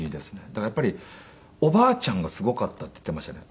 だからやっぱりおばあちゃんがすごかったって言っていましたね。